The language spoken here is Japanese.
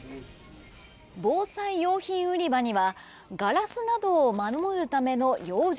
防災用品売り場にはガラスなどを守るための養生